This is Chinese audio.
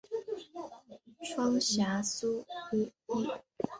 川陕苏区设。